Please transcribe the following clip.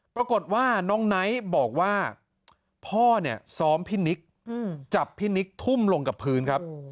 ปรากฏว่าน้องไนท์บอกว่าพ่อเนี่ยซ้อมพี่นิกจับพี่นิกทุ่มลงกับพื้นครับ